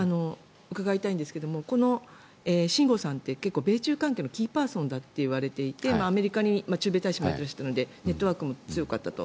伺いたいんですが秦剛さんって結構、米中関係のキーパーソンだといわれていてアメリカに駐米大使もやっているというのでネットワークも強かったと。